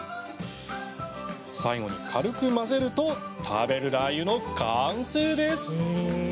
最後に軽く混ぜると食べるラー油の完成です。